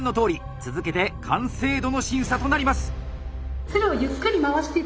続けて完成度の審査となります！